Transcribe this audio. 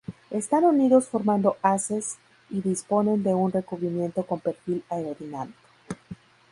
Están unidos formando haces y disponen de un recubrimiento con perfil aerodinámico.